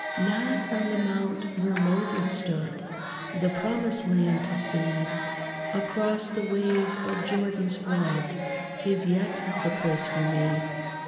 Not on the mount where Moses stood, The promised land to see Across the waves of Jordan's flood, Is yet the place for me.